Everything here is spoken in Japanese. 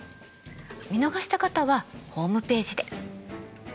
見逃した方はホームページで。